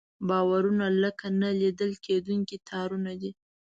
باورونه لکه نه لیدل کېدونکي تارونه دي.